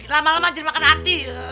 lama lama jadi makan hati